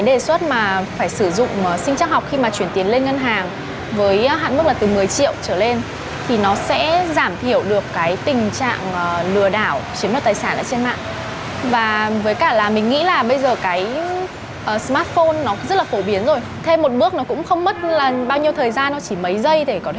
thêm một bước nó cũng không mất bao nhiêu thời gian chỉ mấy giây để có thể xác nhận được dấu vân tay hoặc là ánh mắt của mình thôi mà